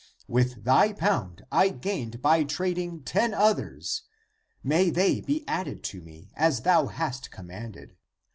With thy pound I gained by trading ten others, may they be added to me, as thou hast commanded.